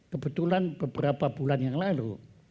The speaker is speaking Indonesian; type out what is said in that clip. kebetulan beberapa bulan yang lalu